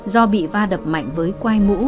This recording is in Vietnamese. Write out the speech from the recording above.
do bị va đập mạnh với quai mũ